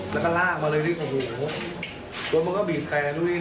แล้วก็ลากมาเลยนี่โอ้โหตัวมันก็บีดแค่ลูกนี้นั่น